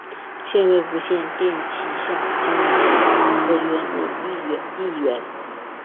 现为无线电视旗下经理人合约女艺员。